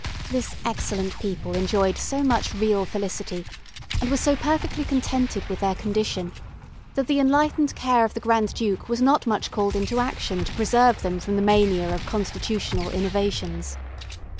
This excellent people enjoyed so much real felicity, and were so perfectly contented with their condition, that the enlightened care of the Grand Duke was not much called into action to preserve them from the mania of constitutional innovations.